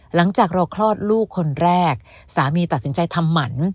หลังจากเราคลอดลูกคนแรกสามีตัดสินใจทำหมัน